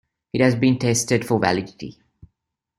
It has been tested for validity.